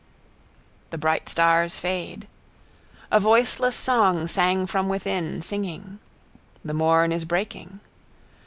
—The bright stars fade... A voiceless song sang from within, singing: —... _the morn is breaking.